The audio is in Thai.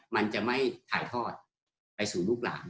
มันจะไม่ถ่ายทอดไปสู่ลูกหลาน